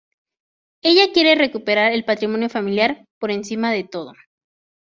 Ella quiere recuperar el patrimonio familiar, por encima de todo.